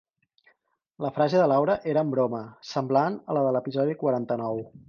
La frase de Laura era "en broma", semblant a la de l'episodi quaranta-nou.